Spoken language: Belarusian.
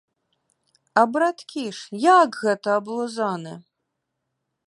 А браткі ж, як гэта аблузаны?